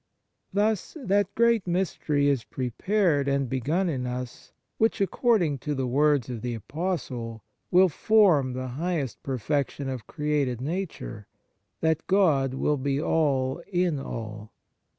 Thus that great mystery is prepared and begun in us which, according to the words of the Apostle, will form the highest perfection of created nature that God will be All in all.